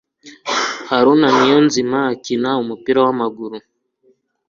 haruna niyonzima akina umupira wamaguru